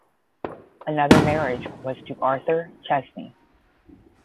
Another marriage was to Arthur Chesney.